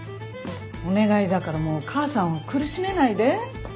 お願いだからもう母さんを苦しめないで。